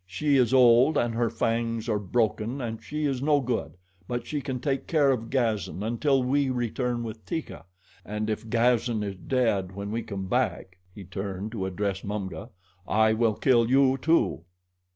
"She is old and her fangs are broken and she is no good; but she can take care of Gazan until we return with Teeka, and if Gazan is dead when we come back," he turned to address Mumga, "I will kill you, too."